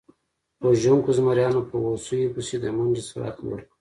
وژونکو زمریانو په هوسیو پسې د منډې سرعت لوړ کړ.